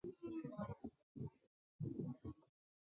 孙策命他截杀了曹操任命的扬州刺史严象。